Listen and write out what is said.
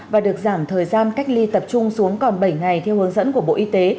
và được giảm thời gian cách ly tập trung xuống còn bảy ngày theo hướng dẫn của bộ y tế